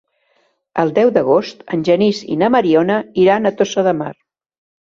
El deu d'agost en Genís i na Mariona iran a Tossa de Mar.